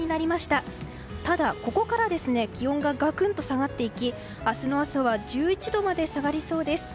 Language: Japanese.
ただ、ここから気温がガクッと下がっていき明日の朝は１１度まで下がりそうです。